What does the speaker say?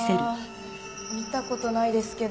見た事ないですけど。